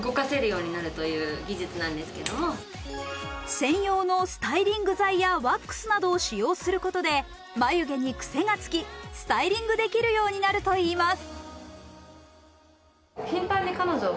専用のスタイリング剤やワックスなどを使用することで眉毛にくせがつきスタイリングできるようになるといいます。